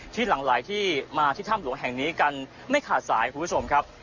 หลังไหลที่มาที่ถ้ำหลวงแห่งนี้กันไม่ขาดสายคุณผู้ชมครับ